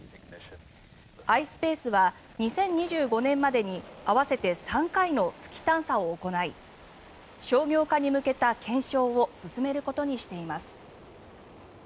ｉｓｐａｃｅは２０２５年までに合わせて３回の月探査を行い商業化に向けた検証を進めることにしています。